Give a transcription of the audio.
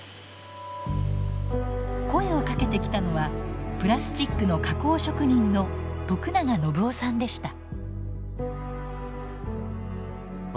声をかけてきたのはプラスチックの加工職人の徳永暢男さんでした。